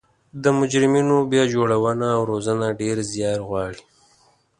د مجرمینو بیا جوړونه او روزنه ډیر ځیار غواړي